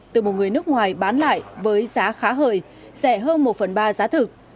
từ một người nước ngoài bán lại với giá khá hời rẻ hơn một phần ba giá thực